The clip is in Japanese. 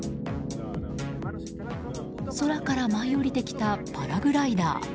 空から舞い降りてきたパラグライダー。